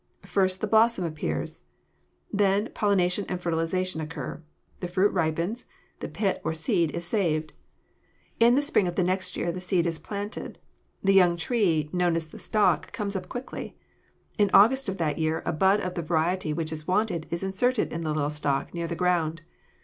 First, the blossom appears. Then pollination and fertilization occur. The fruit ripens. The pit, or seed, is saved. In the spring of the next year the seed is planted. The young tree, known as the stock, comes up quickly. In August of that year a bud of the variety which is wanted is inserted in the little stock, near the ground.